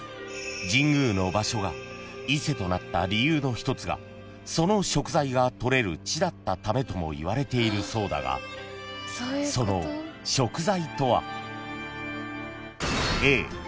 ［神宮の場所が伊勢となった理由の一つがその食材がとれる地だったためともいわれているそうだがその食材とは？］